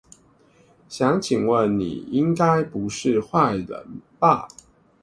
想請問你應該不是壞人吧